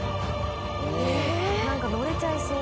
何か乗れちゃいそう。